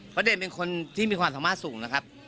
ประเด็นเป็นคนที่มีความสามารถสูงนะครับ